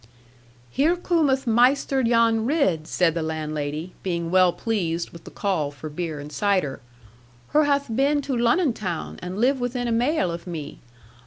'Here coom'th Maister Jan Ridd,' said the landlady, being well pleased with the call for beer and cider: 'her hath been to Lunnon town, and live within a maile of me.